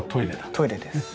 トイレです。